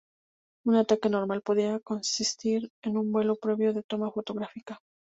Un ataque normal podía consistir en un vuelo previo de toma fotográfica.